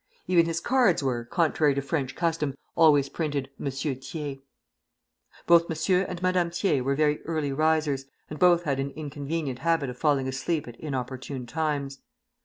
Even his cards were, contrary to French custom, always printed "Monsieur Thiers." Both M. and Madame Thiers were very early risers, and both had an inconvenient habit of falling asleep at inopportune times.